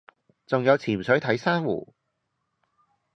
仲有潛水睇珊瑚